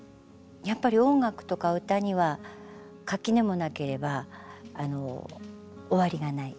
やっぱり音楽とか歌には垣根もなければ終わりがない。